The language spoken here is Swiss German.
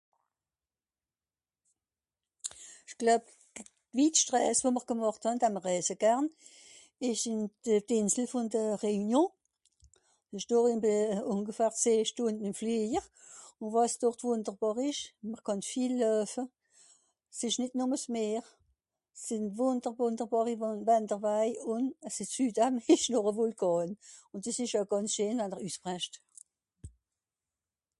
Ìch gloeb, d'wittscht Rèis, wo mr gemàcht hàn, dann mìr rèise gern, ìsch ìn de...d'Ìnsel vùn de Réunion. Ìsch doch euh... ùngefähr zehn Stùnd ìm Flìejer. Ùn wàs dort wùnderbàr ìsch, mr kànn viel loefe. S'ìsch nìt nùmme s'Meer. 'S sìnn wùnder... wùnderbàri Wàn... Wänderwaj, ùn es ìsch (...) noch e Vùlkàn. Ùn dìs ìsch oe gànz scheen àwer (...).